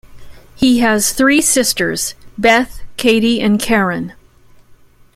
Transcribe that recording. He has three sisters, Beth, Katie and Karen.